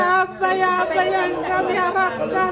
apa yang kami harapkan